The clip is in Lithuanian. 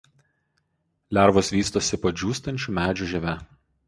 Lervos vystosi po džiūstančių medžių žieve.